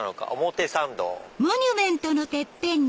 「表参道」。